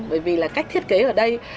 bởi vì là cách thiết kế ở đây